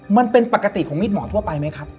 มันเป็นปกติของมีดหมอทั่วไปไหมครับ